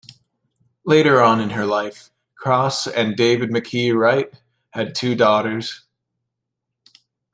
Later on in her life, Cross and David McKee Wright had two daughters.